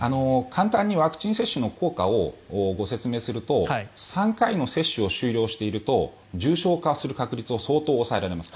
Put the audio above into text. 簡単にワクチン接種の効果をご説明すると３回の接種を終了していると重症化する確率を相当抑えられます。